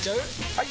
・はい！